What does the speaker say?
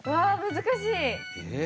難しい。